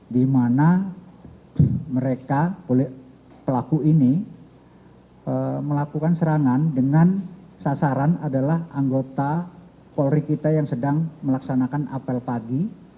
di mana mereka pelaku ini melakukan serangan dengan sasaran adalah anggota polri kita yang sedang melaksanakan apel pagi